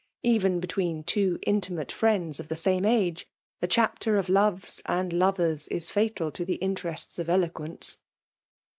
£ven between two intimate Carnds of the stmft mgB, the c^afitcar of bms «ad lovers is fatal to the interests of eloquenee.